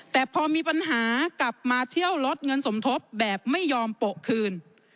แต่พอมีปัญหากลับมาเที่ยวลดเงินสมทบแบบไม่ยอมโปะคืน